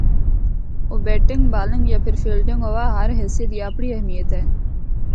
او batting, bowling یا پھر فیلڈنگ ہوا ہر حصہ دی اپنڑی اہمیت اے۔